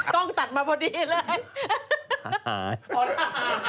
ต้องตัดมาพอดีเลย